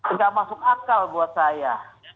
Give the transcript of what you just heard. ini tidak masuk akal buat saya